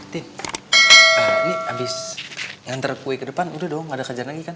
tin ini abis ngantre kue ke depan udah dong gak ada kejaran lagi kan